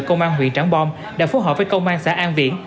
công an huyện trảng bom đã phối hợp với công an xã an viễn